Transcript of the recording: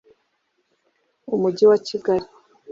umujyi wa kigali